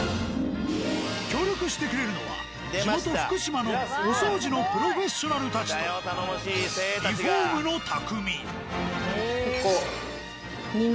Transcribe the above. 協力してくれるのは地元・福島のお掃除のプロフェッショナルたちとリフォームの匠。